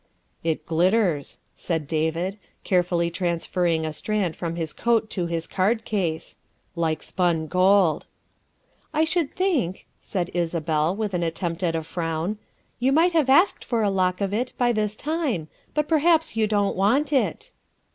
' It glitters," said David, carefully transferring a strand from his coat to his card case, " like spun gold." ' I should think," said Isabel with an attempt at a frown, " you might have asked for a lock of it by this time, but perhaps you don't want it."